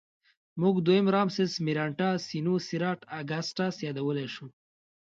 موږ دویم رامسس مېرنټاه سینوسېراټ اګسټاس یادولی شو.